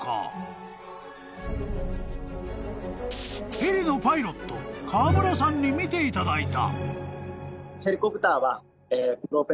［ヘリのパイロット川村さんに見ていただいた］